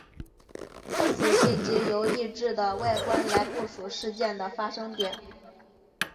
此系藉由异质的外观来部署事件的发生点。